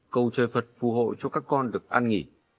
cầu chơi phật phù hộ cho các con được an nghỉ